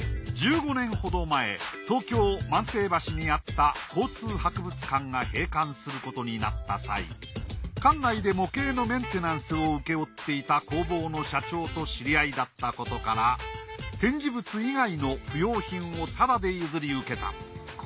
１５年ほど前東京・万世橋にあった交通博物館が閉館することになった際館内で模型のメンテナンスを請け負っていた工房の社長と知り合いだったことからこれもそのひとつはい。